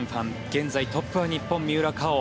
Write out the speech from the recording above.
現在トップは日本、三浦佳生。